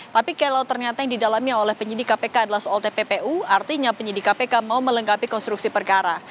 tapi kalau ternyata yang didalami oleh penyidik kpk adalah soal tppu artinya penyidik kpk mau melengkapi konstruksi perkara